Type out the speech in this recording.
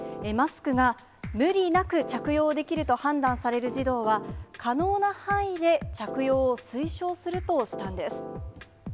マスクが無理なく着用できると判断される児童は、可能な範囲で着用を推奨するとしたんです。